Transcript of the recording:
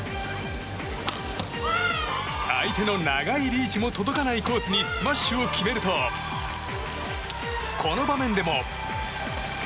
相手の長いリーチも届かないコースにスマッシュを決めるとこの場面でも。